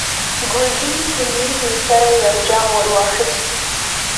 ګرګين د مېز له سره يو جام ور واخيست.